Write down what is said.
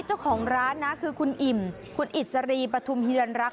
เจ้าของร้านนะคือคุณอิ่มคุณอิสรีปฐุมฮิรันรักษ